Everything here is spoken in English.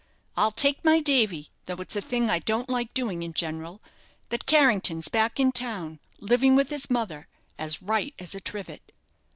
I'll take my davy, though it's a thing I don't like doing in general, that Carrington's back in town, living with his mother, as right as a trivet."